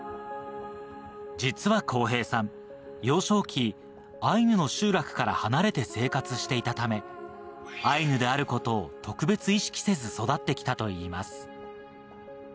実は康平さん、幼少期、アイヌの集落から離れて生活していたため、アイヌであることを特別意識せず育ってきたといいます。